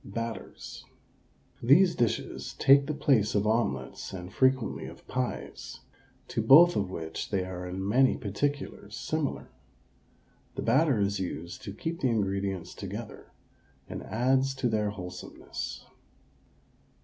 BATTERS These dishes take the place of omelets and frequently of pies, to both of which they are in many particulars similar. The batter is used to keep the ingredients together, and adds to their wholesomeness.